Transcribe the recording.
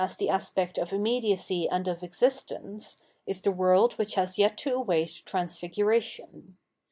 799 Revealed Religion aspect of immediacy and of existence, is the world which has yet to await transfiguration.